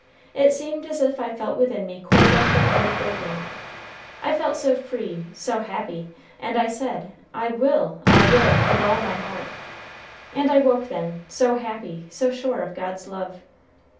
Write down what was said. It seemed as if I felt within me cord after cord breaking, I felt so free, so happy; and I said, 'I will, I will, with all my heart;' and I woke then, so happy, so sure of God's love.